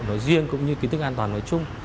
nói riêng cũng như kiến thức an toàn nói chung